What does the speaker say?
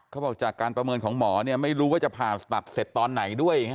เขาบอกจากการประเมินของหมอเนี่ยไม่รู้ว่าจะผ่าตัดเสร็จตอนไหนด้วย